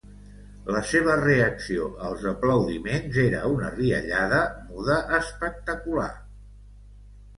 La seva reacció als aplaudiments era una riallada muda espectacular.